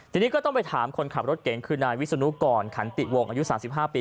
ทีนี้ก็ต้องไปถามคนขับรถเก๋งคือนายวิศนุกรขันติวงอายุ๓๕ปี